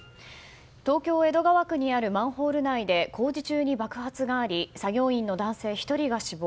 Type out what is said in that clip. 東京・江戸川区にあるマンホール内で工事中に爆発があり作業員の男性１人が死亡。